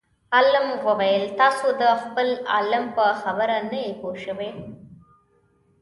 عالم وویل تاسو د خپل عالم په خبره نه یئ پوه شوي.